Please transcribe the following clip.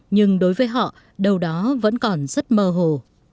nhưng đối với họ đâu đó vẫn còn rất mơ hồ